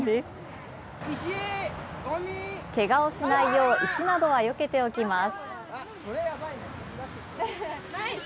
けがをしないよう石などはよけておきます。